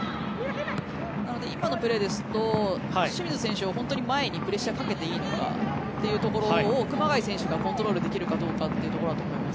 なので今のプレーですと清水選手は本当に前にプレッシャーをかけていいのかというところを熊谷選手がコントロールできるかどうかというところだと思います。